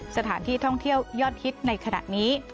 สถานที่ท่องเที่ยวยอดฮิตในขณะนี้